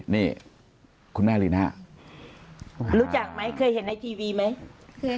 นี่คุณแม่หรือนะรู้จักไหมเคยเห็นในทีวีไหมเคย